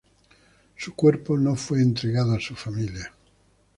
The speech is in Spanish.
Su cuerpo no fue entregado a su familia.